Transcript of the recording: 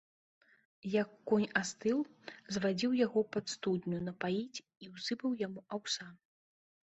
Як конь астыў, звадзіў яго пад студню напаіць і ўсыпаў яму аўса.